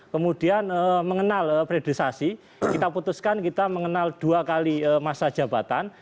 kemudian mengenal priorisasi kita putuskan kita mengenal dua kali masa jabatan